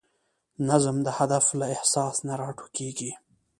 نظم د هدف له احساس نه راټوکېږي.